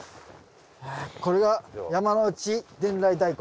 これが山内伝来大根。